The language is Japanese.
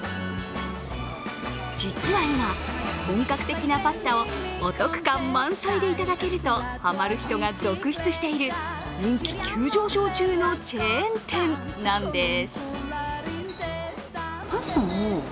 実は今、本格的なパスタをお得感満載でいただけるとハマる人が続出している人気急上昇中のチェーン店なんです。